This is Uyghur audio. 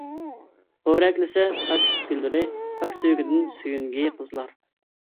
پورەكلىسە پاكلىق گۈللىرى، پاك سۆيگۈدىن سۆيۈنگەي قىزلار.